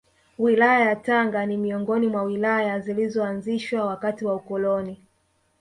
Wilaya yaTanga ni miongoni mwa Wilaya zilizoanzishwa wakati wa ukoloni